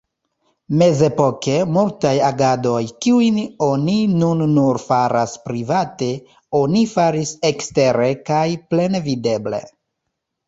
Mezepoke, multaj agadoj, kiujn oni nun nur faras private, oni faris ekstere kaj plenvideble.